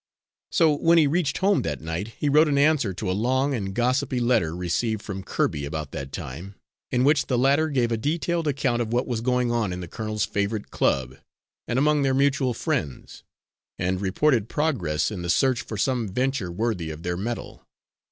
So, when he reached home that night, he wrote an answer to a long and gossipy letter received from Kirby about that time, in which the latter gave a detailed account of what was going on in the colonel's favourite club and among their mutual friends, and reported progress in the search for some venture worthy of their mettle.